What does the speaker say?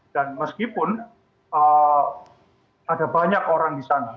dan meskipun ada banyak orang disana